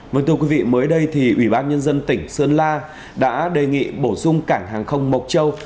vâng thưa quý vị mới đây thì ủy ban nhân dân tỉnh sơn la đã đề nghị bổ sung cảng hàng không mộc châu